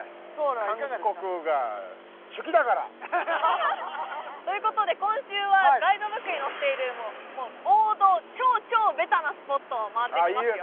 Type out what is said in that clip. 韓国がしゅきだから！ということで今週はガイドブックに載っている王道超超ベタなスポットを回っていきますよ